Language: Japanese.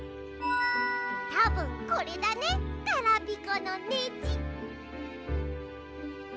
たぶんこれだねガラピコのネジ！